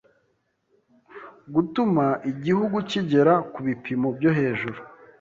gutuma Igihugu kigera ku bipimo byo hejuru